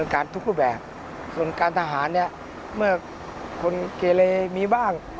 การทุกรูปแบบส่วนการทหารเนี่ยเมื่อคนเกเลมีบ้าง